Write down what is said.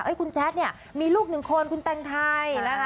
คุณแจ๊ดเนี่ยมีลูกหนึ่งคนคุณแต่งไทยนะคะ